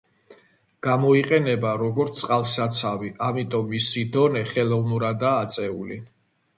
გამოიყენება როგორც წყალსაცავი, ამიტომ მისი დონე ხელოვნურადაა აწეული.